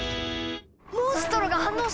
モンストロが反応した！